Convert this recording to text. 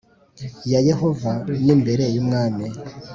ya Yehova n imbere y umwami